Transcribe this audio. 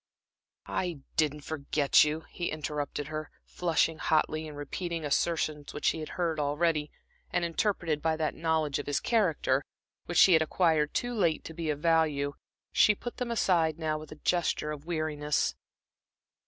"I didn't forget you," he interrupted her, flushing hotly, and repeating assertions which she had heard already, and interpreted by that knowledge of his character, which she had acquired too late to be of value. She put them aside now with a gesture of weariness.